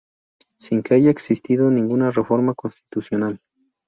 Sin que haya existido ninguna reforma constitucional.